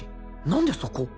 何でそこ？